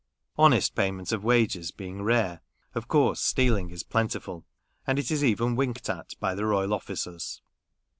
Honest payment of wages being rare, of course stealing is plentiful ; and it is even winked at by the royal officers.